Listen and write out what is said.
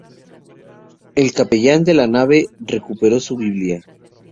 El capellán de la nave recuperó su biblia.